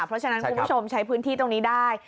เพราะฉะนั้นคุณผู้ชมใช้พื้นที่ตรงนี้ได้